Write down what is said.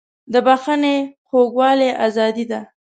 د بښنې خوږوالی ازادي ده.